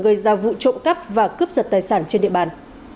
gây ra vụ trộm cắp và cướp giật tài sản trên địa bàn